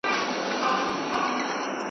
اې په خوب ویده ماشومه! .